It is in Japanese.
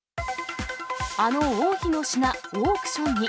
あの王妃の品、オークションに。